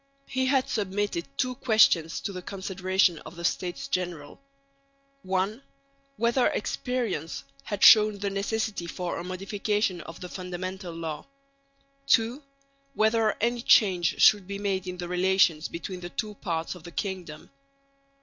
He had submitted two questions to the consideration of the States General: (1) whether experience had shown the necessity for a modification of the Fundamental Law; (2) whether any change should be made in the relations between the two parts of the kingdom.